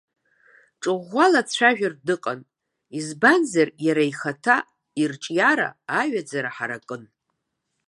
Ҿыӷәӷәала дцәажәартә дыҟан, избанзар иара ихаҭа ирҿиара аҩаӡара ҳаракын.